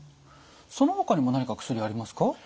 そのほかにも何か薬ありますか？